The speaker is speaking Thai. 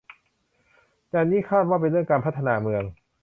อันนี้คาดว่าเป็นเรื่องการพัฒนาเมือง